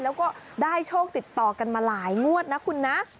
แล้วก็ได้โชคติดต่อกันมาหลายงวดนะคุณนะ